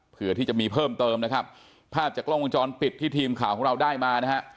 เพื่อที่จะมีเพิ่มเติมนะครับภาพจากกล้องวงจรปิดที่ทีมข่าวของเราได้มานะฮะ